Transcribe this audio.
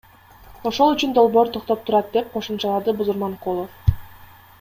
Ошол үчүн долбоор токтоп турат, — деп кошумчалады Бузурманкулов.